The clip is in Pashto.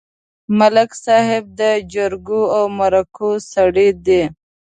ملک صاحب د جرګو او مرکو سړی دی.